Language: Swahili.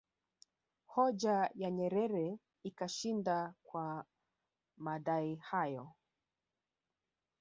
Hoja ya Nyerere ikashinda kwa madai hayo